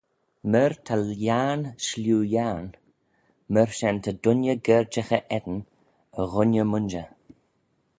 Myr ta yiarn shlieu yiarn, myr shen ta dooinney gerjaghey eddin e ghooinney-mooinjer.